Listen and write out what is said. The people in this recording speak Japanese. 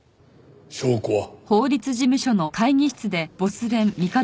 証拠は？